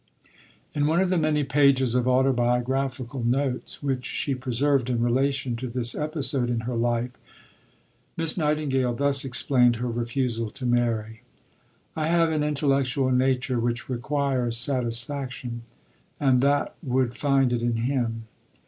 In one of the many pages of autobiographical notes which she preserved in relation to this episode in her life, Miss Nightingale thus explained her refusal to marry. "I have an intellectual nature which requires satisfaction, and that would find it in him.